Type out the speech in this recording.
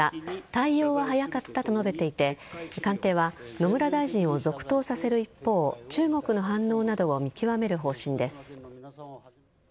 対応は早かったと述べていて官邸は野村大臣を続投させる一方中国の反応などを見極める方針です。